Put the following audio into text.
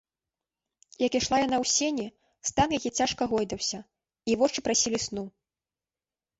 Як ішла яна ў сені, стан яе цяжка гойдаўся, і вочы прасілі сну.